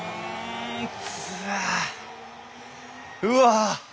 うわ！